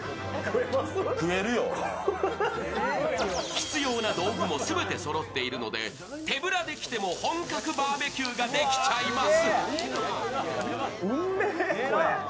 必要な道具も全てそろっているので手ぶらで来ても本格バーベキューができちゃいます。